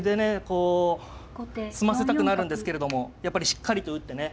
こう済ませたくなるんですけれどもやっぱりしっかりと打ってね